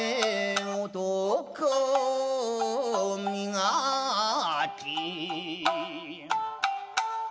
「男を磨き」